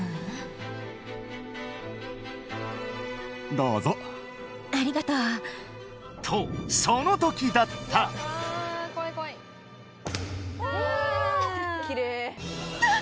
どうぞありがとうとその時だったきゃ！